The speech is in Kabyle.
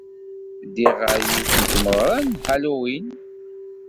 Ddiɣ ɣer yiwet n tmeɣra n Halloween.